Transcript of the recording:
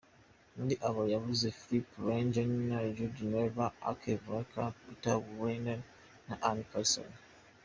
Muli abo yavuze Filip Reyntjens, Judi Rever, Anneke Verbraeck, Peter Verlinden na Ann Garrisson.